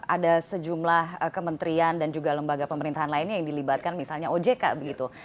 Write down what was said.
ada sejumlah kementerian dan juga lembaga pemerintahan lainnya yang dilibatkan misalnya ojk begitu